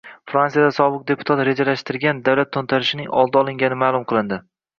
Fransiyada sobiq deputat rejalashtirgan davlat to‘ntarishining oldi olingani ma’lum qilindi